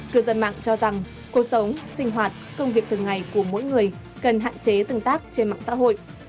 cư dân mạng cho rằng cuộc sống sinh hoạt công việc thường ngày của mỗi người cần hạn chế tương tác trên mạng xã hội